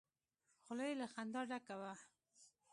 خوله يې له خندا ډکه وه.